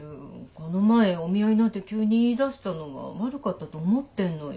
この前お見合いなんて急に言いだしたのは悪かったと思ってんのよ